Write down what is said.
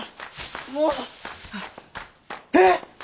もう。えっ！？